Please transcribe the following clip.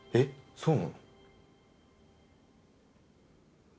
そうなの？